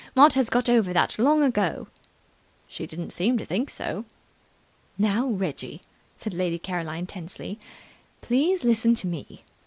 Maud has got over that long ago." "She didn't seem to think so." "Now, Reggie," said Lady Caroline tensely, "please listen to me.